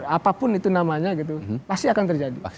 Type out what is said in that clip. apapun itu namanya gitu pasti akan terjadi